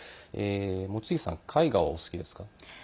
望月さん、絵画はお好きですか？